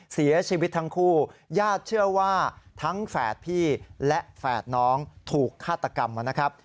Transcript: เสียชีวิตทั้งคู่ญาติเชื่อว่าทั้งแฝดพี่และแฝดน้องถูกฆาตกรรมนะครับ